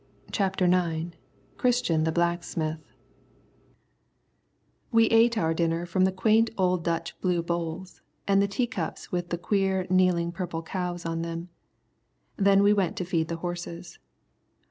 CHAPTER IX CHRISTIAN THE BLACKSMITH We ate our dinner from the quaint old Dutch blue bowls, and the teacups with the queer kneeling purple cows on them. Then we went to feed the horses.